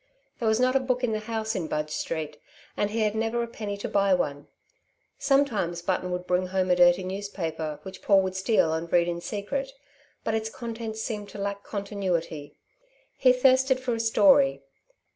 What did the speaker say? There was not a book in the house in Budge Street, and he had never a penny to buy one. Sometimes Button would bring home a dirty newspaper, which Paul would steal and read in secret, but its contents seemed to lack continuity. He thirsted for a story.